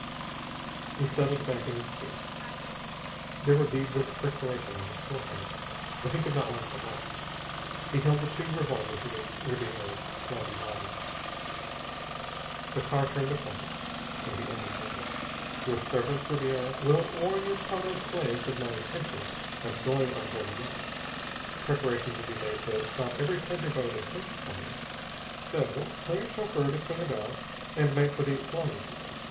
He settled back in his seat. There were beads of perspiration on his forehead, but he could not wipe them off. He held the two revolvers against Ribiera's flabby body. The car turned the corner, and he added dryly: "Your servants, Ribiera, will warn your more prominent slaves of my intention of going on board a yacht. Preparations will be made to stop every pleasure boat and search it for me. So ... tell your chauffeur to swing about and make for the flying field.